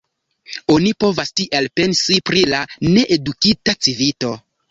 Oni povas tiel pensi pri la needukita civito.